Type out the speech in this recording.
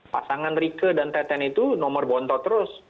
pasangan rike dan teten itu nomor bonto terus